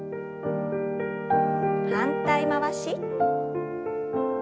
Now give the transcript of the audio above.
反対回し。